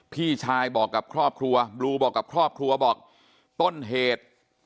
พี่ชายบอกกับครอบครัวบลูบอกกับครอบครัวบอกต้นเหตุ